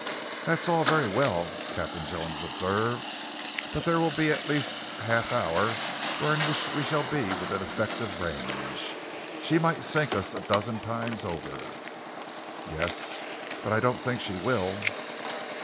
"That's all very well," Captain Jones observed, "but there will be at least half an hour during which we shall be within effective range. She might sink us a dozen times over." "Yes, but I don't think she will."